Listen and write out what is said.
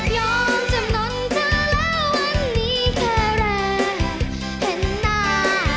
ยอมจำนวนเธอแล้ววันนี้แค่แรงเห็นหน้า